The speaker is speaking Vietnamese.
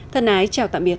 thân ái chào tạm biệt